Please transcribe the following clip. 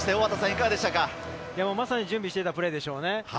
まさに準備していたプレーでしょうね。